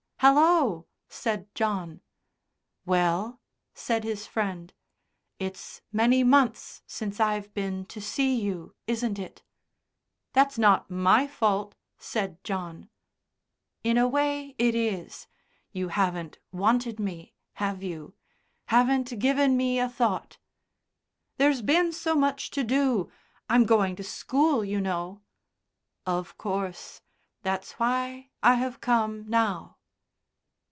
"Hallo!" said John. "Well?" said his Friend. "It's many months since I've been to see you, isn't it?" "That's not my fault," said John. "In a way, it is. You haven't wanted me, have you? Haven't given me a thought." "There's been so much to do. I'm going to school, you know." "Of course. That's why I have come now."